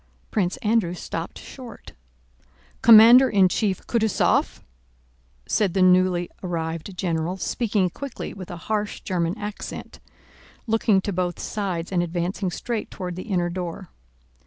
Prince Andrew stopped short. "Commander in Chief Kutúzov?" said the newly arrived general speaking quickly with a harsh German accent, looking to both sides and advancing straight toward the inner door.